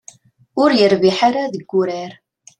Ur yerbiḥ ara deg wurar.